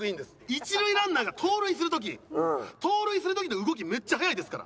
一塁ランナーが盗塁する時盗塁する時の動きめっちゃ速いですから。